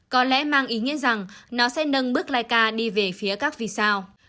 có lẽ mang ý nghĩa rằng nó sẽ nâng bước laika đi về phía các vì sao